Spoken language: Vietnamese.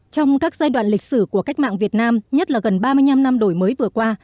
trong các giai đoạn lịch sử của cách mạng việt nam nhất là gần ba mươi năm năm đổi mới vừa qua